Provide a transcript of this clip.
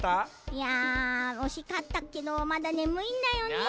いやおしかったけどまだねむいんだよね。